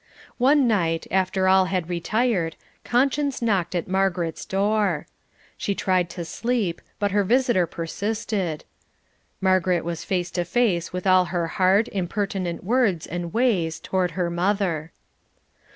One night, after all had retired, conscience knocked at Margaret's door. She tried to sleep, but her visitor persisted. Margaret was face to face with all her hard, impertinent words and ways toward her mother.